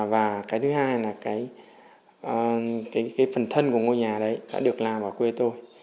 và cái thứ hai là cái phần thân của ngôi nhà đấy đã được làm ở quê tôi